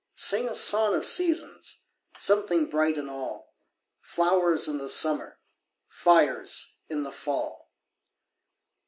Sing a song of seasons! Something bright in all! Flowers in the summer, Fires in the fall!